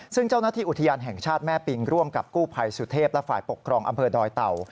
ซึ่งเจ้าหน้าที่อุทยานแห่งชาติแม่ปิงร่วมกับกู้ภัยสุเทพและฝ่ายปกครองอำเภอดอยเต่า